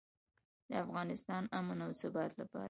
د افغانستان امن او ثبات لپاره.